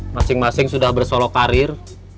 masing masing sudah bersolok karir